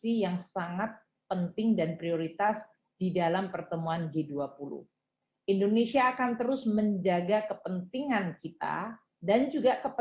di sini akan dibahas berbagai proses